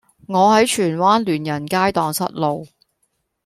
我喺荃灣聯仁街盪失路